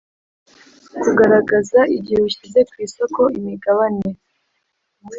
Kugaragaza igihe ushyize ku isoko imigabane